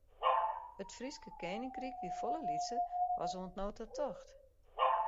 It Fryske keninkryk wie folle lytser as oant no ta tocht.